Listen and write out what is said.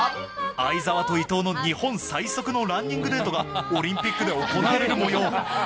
相澤と伊藤の日本最速のランニングデートがオリンピックで行われるもよう。